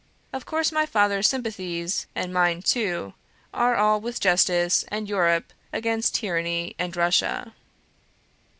Of course my father's sympathies (and mine too) are all with Justice and Europe against Tyranny and Russia.